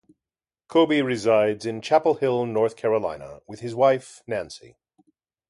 Cobey resides in Chapel Hill, North Carolina with his wife, Nancy.